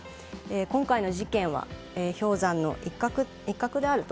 今回の事件は氷山の一角である。